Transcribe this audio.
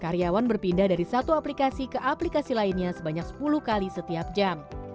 karyawan berpindah dari satu aplikasi ke aplikasi lainnya sebanyak sepuluh kali setiap jam